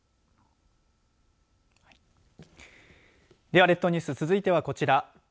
では、列島ニュース続いてはこちら。